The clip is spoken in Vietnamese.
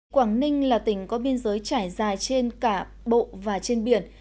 quảng ninh là tỉnh có biên giới trải dài trên cả bộ và trên biển